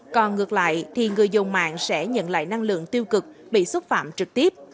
còn ngược lại thì người dùng mạng sẽ nhận lại năng lượng tiêu cực bị xúc phạm trực tiếp